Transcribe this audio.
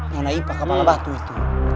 nona ipa kemana batu itu